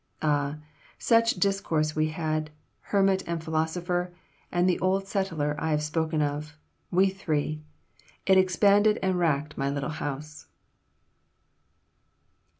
Ah! such discourse we had, hermit and philosopher, and the old settler I have spoken of, we three, it expanded and racked my little house."